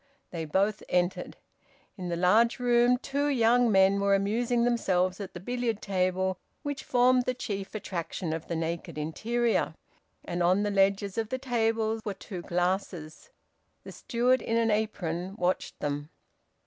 They both entered. In the large room two young men were amusing themselves at the billiard table which formed the chief attraction of the naked interior, and on the ledges of the table were two glasses. The steward in an apron watched them.